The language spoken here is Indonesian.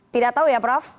tidak tahu ya prof